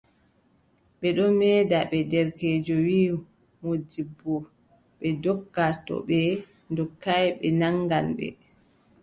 Ɓe ɗon meeda ɓe, derkeejo wii moodibbo, ɓe ndogga, to ɓe ndoggaay ɓe naŋgan ɓe.